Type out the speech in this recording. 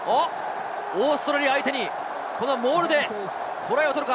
オーストラリア相手にモールでトライを取るか？